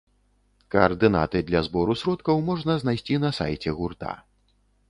Каардынаты для збору сродкаў можна знайсці на сайце гурта.